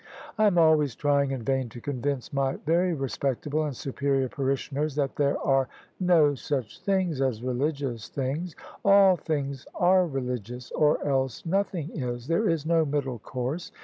I am always trying in vain to convince my very respectable and superior parishioners that there are no such things as religious things. All things are religious, or else nothing is : there is no middle course.